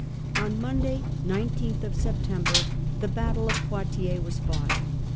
On Monday, 19th September, the battle of Poitiers was fought.